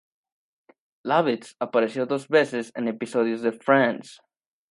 Lovitz apareció dos veces en episodios de "Friends".